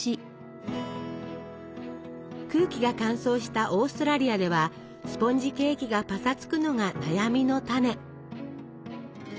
空気が乾燥したオーストラリアではスポンジケーキがパサつくのが悩みのタネ。